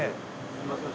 すいません